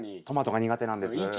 トマトが苦手なんです。